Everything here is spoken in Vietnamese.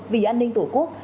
vì an ninh tổ quốc